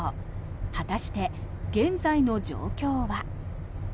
果たして、現在の状況は？